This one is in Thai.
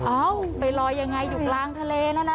อ้าวไปรอยอย่างไรอยู่กลางทะเลนะนะ